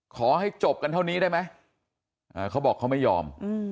ขอให้จบกันเท่านี้ได้ไหมเขาบอกเขาไม่ยอม